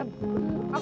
aku jadi piang